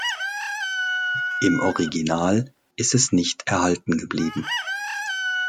Im Original ist es nicht erhalten geblieben.